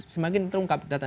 semakin terungkap data